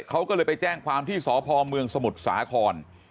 เขาก็เลยไปแจ้งความที่สพเมืองสมุทรสาคร